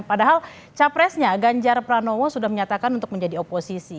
padahal capresnya ganjar pranowo sudah menyatakan untuk menjadi oposisi